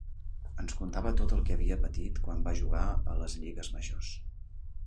Ens contava tot el que havia patit quan va jugar a les Lligues Majors.